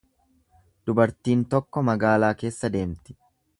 Dubartiin tokko magaalaa keessa deemti.